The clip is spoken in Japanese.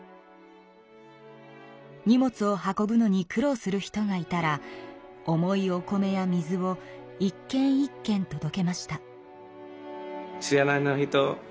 荷物を運ぶのに苦労する人がいたら重いお米や水をいっけんいっけんとどけました。